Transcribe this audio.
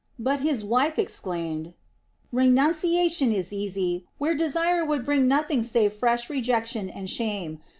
But his wife exclaimed: "Renunciation is easy, where desire would bring nothing save fresh rejection and shame.